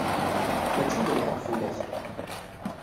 Mačči d lḥeqq fell-ak.